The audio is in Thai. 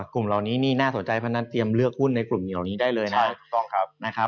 กลุ่มหนินี่น่าเศร้าใจคงต้องเลือกหุ้นเที่ยวค่ะ